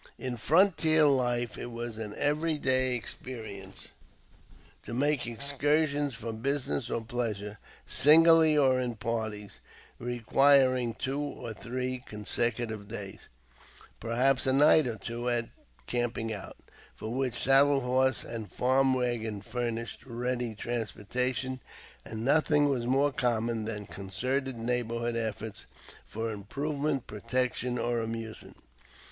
In frontier life it was an every day experience to make excursions for business or pleasure, singly or in parties, requiring two or three consecutive days, perhaps a night or two of camping out, for which saddle horses and farm wagons furnished ready transportation; and nothing was more common than concerted neighborhood efforts for improvement, protection, or amusement.